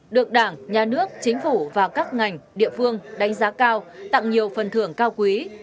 được đảng nhà nước chính phủ và các ngành địa phương đánh giá cao tặng nhiều phần thưởng cao quý